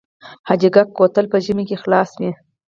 حاجي ګک کوتل په ژمي کې خلاص وي؟